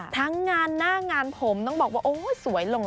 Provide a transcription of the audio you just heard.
ทั้งงานหน้างานผมต้องบอกว่าโอ้ยสวยลง